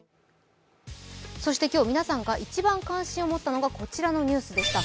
そして今日、皆さんが一番関心を持ったのは、こちらのニュースでした。